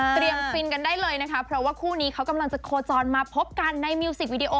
ฟินกันได้เลยนะคะเพราะว่าคู่นี้เขากำลังจะโคจรมาพบกันในมิวสิกวิดีโอ